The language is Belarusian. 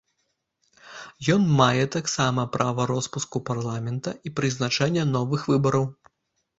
Ён мае таксама права роспуску парламента і прызначэння новых выбараў.